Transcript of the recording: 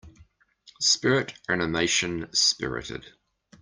Spirit animation Spirited.